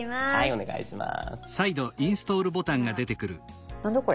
お願いします。